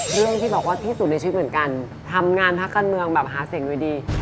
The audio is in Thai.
เรื่องที่บอกว่าที่สุดในชีวิตเหมือนกันทำงานพักการเมืองแบบหาเสียงโดยดี